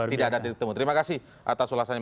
tidak ada titik temu terima kasih atas ulasan yang